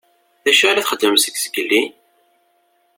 D acu i la txeddmem seg zgelli?